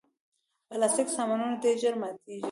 پلاستيکي سامانونه ډېر ژر ماتیږي.